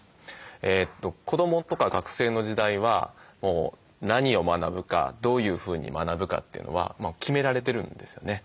子どもとか学生の時代は何を学ぶかどういうふうに学ぶかというのは決められてるんですよね。